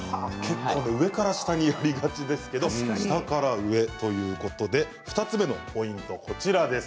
上から下にやりがちですけれども下から上ということで２つ目のポイント